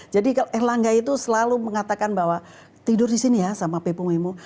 jadi erlangga itu selalu mengatakan bahwa tidur di sini ya sama pepo memo